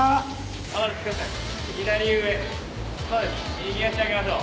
右足上げましょう。